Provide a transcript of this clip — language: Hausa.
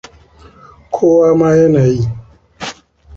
Kowa ma yana yi.